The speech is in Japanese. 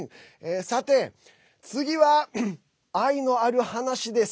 さて、次は愛のある話です。